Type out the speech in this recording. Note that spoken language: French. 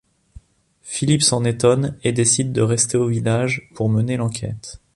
Philippe s'en étonne et décide de rester au village pour mener l'enquête.